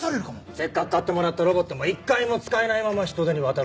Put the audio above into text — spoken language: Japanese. せっかく買ってもらったロボットも一回も使えないまま人手に渡るんです。